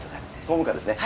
総務課ですね？